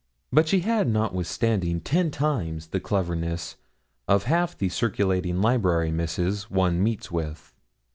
But she had, notwithstanding, ten times the cleverness of half the circulating library misses one meets with.